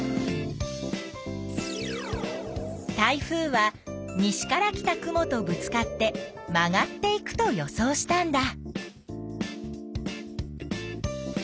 台風は西から来た雲とぶつかって曲がっていくと予想したんだ。